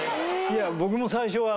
いや僕も最初は。